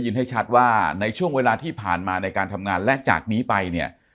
ให้ชัดว่าในช่วงเวลาที่ผ่านมาในการทำงานและจากนี้ไปเนี่ย